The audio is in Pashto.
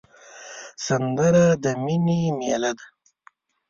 سندره د مینې میله ده